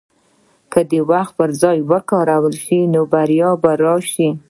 که وخت پر ځای وکارول شي، نو بریا به راشي.